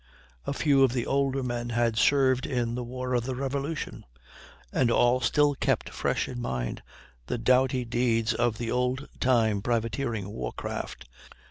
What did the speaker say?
A few of the older men had served in the war of the Revolution, and all still kept fresh in mind the doughty deeds of the old time privateering war craft.